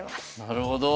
なるほど。